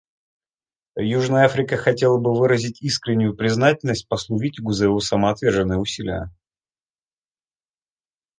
Южная Африка хотела бы выразить искреннюю признательность послу Виттигу за его самоотверженные усилия.